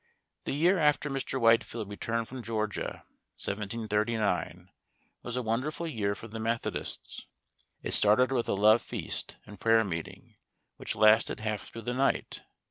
The year after Mr. Whitefield returned from Georgia, 1739, was a wonderful year for the Methodists. It started with a love feast and prayer meeting, which lasted half through the night.